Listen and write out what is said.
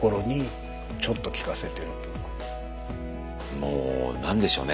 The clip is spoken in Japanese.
もう何でしょうね